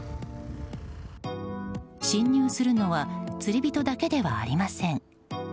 侵入するのは釣り人だけではありません。